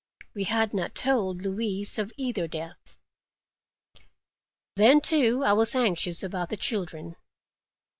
We had not told Louise of either death. Then, too, I was anxious about the children.